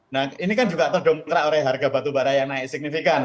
nah ini kan juga terdongkrak oleh harga batubara yang naik signifikan